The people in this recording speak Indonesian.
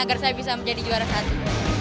agar saya bisa menjadi juara satu